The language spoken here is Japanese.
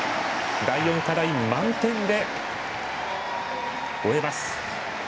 第４課題、満点で終えます。